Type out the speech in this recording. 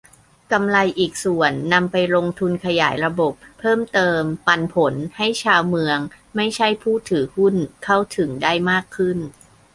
กำไรอีกส่วนนำไปลงทุนขยายระบบเพิ่มเติม "ปันผล" ให้ชาวเมือง ไม่ใช่ผู้ถือหุ้น เข้าถึงได้มากขึ้น